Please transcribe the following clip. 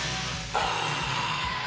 あ！